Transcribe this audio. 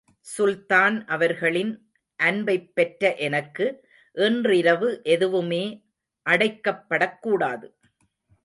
சுல்தான் அவர்களின் அன்பைப் பெற்ற எனக்கு இன்றிரவு எதுவுமே அடைக்கப்படக் கூடாது.